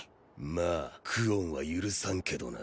まあ久遠は許さんけどな。